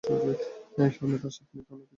স্বপ্ন তার স্বাপ্নিককে অনেক কিছু জানায়।